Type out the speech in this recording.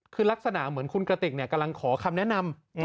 คือลักษณะเหมือนคุณกระติกกำลังขอคำแนะนำ